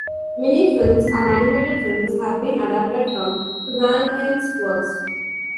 Many films and animated films have been adapted from Tumanyan's works.